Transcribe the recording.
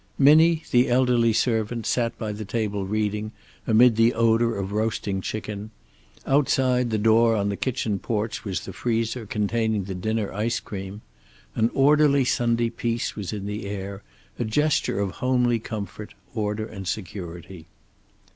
Minnie, the elderly servant, sat by the table reading, amid the odor of roasting chicken; outside the door on the kitchen porch was the freezer containing the dinner ice cream. An orderly Sunday peace was in the air, a gesture of homely comfort, order and security.